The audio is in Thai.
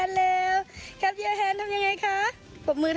งงงงป่อมือ